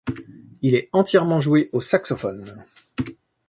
Il est entièrement joué au saxophone.